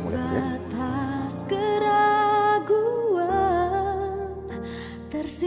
mulai sendiri ya